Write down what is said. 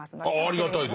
ありがたいです。